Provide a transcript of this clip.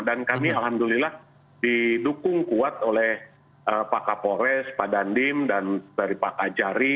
dan kami alhamdulillah didukung kuat oleh pak kapolres pak dandim pak ajari